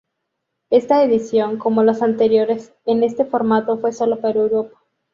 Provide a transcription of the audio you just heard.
Esta edición, como los anteriores en este formato, fue solo para Europa.